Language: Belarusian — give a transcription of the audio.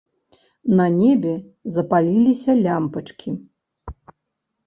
На небе запаліліся лямпачкі.